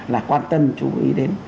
là quan tâm chú ý đến